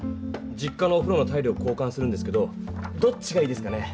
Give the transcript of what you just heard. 実家のおふろのタイルを交かんするんですけどどっちがいいですかね？